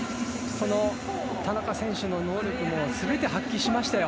この田中選手の能力を全て発揮しましたよ。